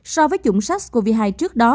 so với chủng sars cov hai trước đó